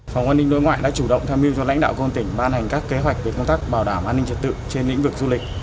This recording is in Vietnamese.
phòng an ninh đối ngoại đã chủ động tham mưu cho lãnh đạo công an tỉnh ban hành các kế hoạch về công tác bảo đảm an ninh trật tự trên lĩnh vực du lịch